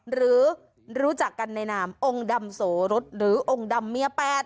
หรือรู้จักกันในนามองค์ดำโสรสหรือองค์ดำเมีย๘